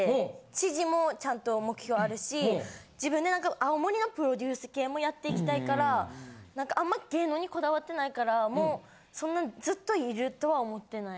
知事もちゃんと目標あるし自分で青森のプロデュース系もやっていきたいからあんま芸能にこだわってないからもうそんなずっといるとは思ってない。